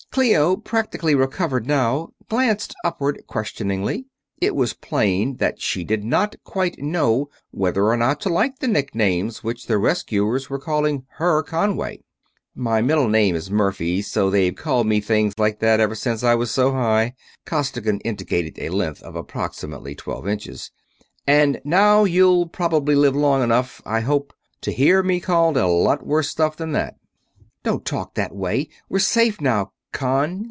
Clio, practically recovered now, glanced upward questioningly. It was plain that she did not quite know whether or not to like the nicknames which the rescuers were calling her Conway. "My middle name is Murphy, so they've called me things like that ever since I was so high." Costigan indicated a length of approximately twelve inches. "And now you'll probably live long enough I hope to hear me called a lot worse stuff than that." "Don't talk that way we're safe now, Con